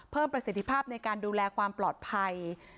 ประสิทธิภาพในการดูแลความปลอดภัย